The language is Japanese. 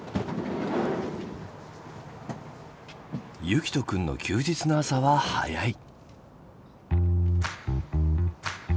結季斗くんの休日の朝は早い。